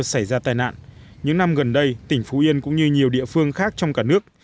xảy ra tai nạn những năm gần đây tỉnh phú yên cũng như nhiều địa phương khác trong cả nước